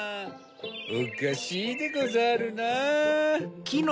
おかしいでござるなぁ。